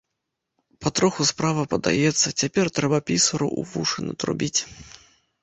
Патроху справа падаецца, цяпер трэба пісару ў вушы натрубіць.